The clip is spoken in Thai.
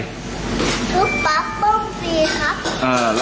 ลูกป๊าป้องสี่ครับ